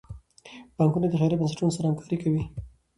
بانکونه د خیریه بنسټونو سره همکاري کوي.